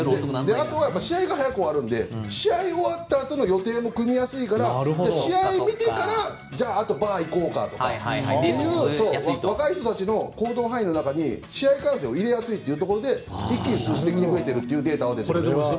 あとは試合が早く終わるので試合を終わったあとの予定も組みやすいから試合終わってからじゃあ、あとバー行こうかとか若い人たちの行動範囲の中に試合観戦を入れやすいので一気に増えているということです。